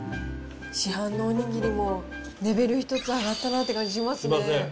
市販のおにぎりもレベル１つ上がったなっていう感じしますねしますね。